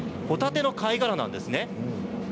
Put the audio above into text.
ほたての貝殻なんですね。